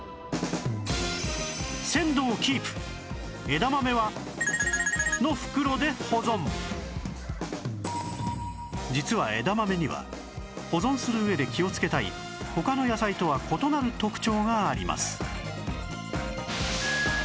枝豆の実は枝豆には保存する上で気をつけたい他の野菜とは異なる特徴があります